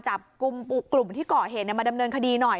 จากกลุ่มที่ก่อเหตุมาดำเนินคดีหน่อย